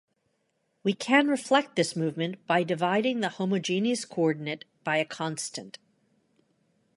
We can reflect this movement by dividing the homogeneous coordinate by a constant.